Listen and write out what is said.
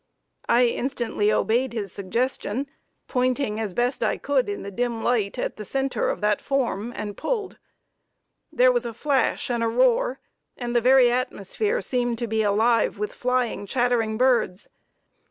I instantly obeyed his suggestion, pointing as best I could in the dim light at the center of that form, and pulled. There was a flash and a roar, and the very atmosphere seemed to be alive with flying, chattering birds.